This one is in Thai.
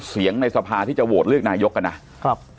เสียงในสภาที่จะโหวตเลือกนายกกันนะ